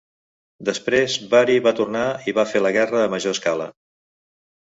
Després, Vari va tornar i va fer la guerra a major escala.